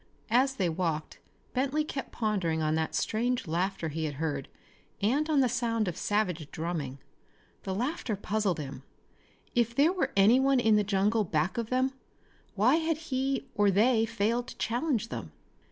As they walked Bentley kept pondering on that strange laughter he had heard and on the sound of savage drumming. The laughter puzzled him. If there were anyone in the jungle back of them, why had he or they failed to challenge them?